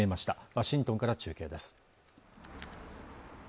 ワシントンから中継です